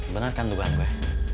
bener kan dugaan gue